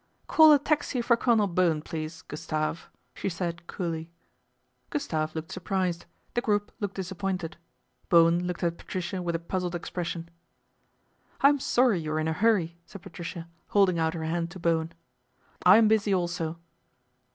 " Call a taxi for Colonel Bowen, please, Gus tave," she said coolly. Gustave looked surprised, the group looked dis appointed, Bowen looked at Patricia with a puzzled expression. " I'm sorry you're in a hurry," said Patricia, holding out her hand to Bowen. " I'm busy also."